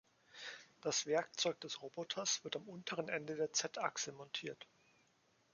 Das Werkzeug des Roboters wird am unteren Ende der Z-Achse montiert.